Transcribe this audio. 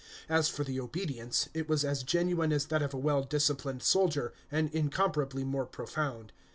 As for the obedience, it was as genuine as that of a well disciplined soldier, and incomparably more profound.